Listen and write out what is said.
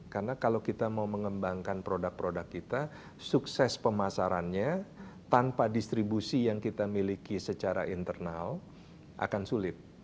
karena kalau kita mau mengembangkan produk produk kita sukses pemasarannya tanpa distribusi yang kita miliki secara internal akan sulit